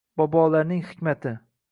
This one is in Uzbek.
Bobolarning hikmati